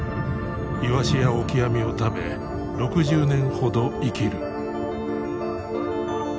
イワシやオキアミを食べ６０年ほど生きる。